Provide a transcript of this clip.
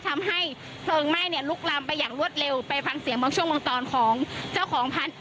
ทำให้เพลิงไหม้เนี่ยลุกลามไปอย่างรวดเร็วไปฟังเสียงบางช่วงบางตอนของเจ้าของพันธุ